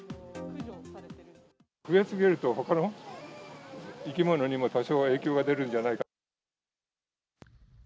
増えすぎるとほかの生き物にも、多少は影響が出るんじゃないかと。